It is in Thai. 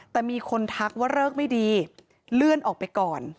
แต่มีคนทักว่าเลิกไม่ดีเลื่อนออกไปก่อน